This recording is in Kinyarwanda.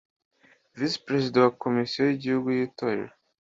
Visi Perezida wa Komisiyo y’Igihugu y’Itorero,